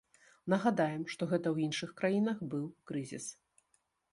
Нагадаем, што гэта ў іншых краінах быў крызіс.